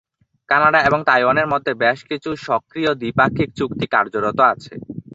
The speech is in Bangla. কানাডা এবং তাইওয়ানের মধ্যে বেশকিছু সক্রিয় দ্বিপাক্ষিক চুক্তি কার্যরত আছে।